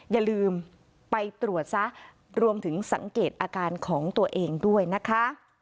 อย่าลืมไปตรวจซะรวมถึงสังเกตอาการของตัวเองด้วยนะคะ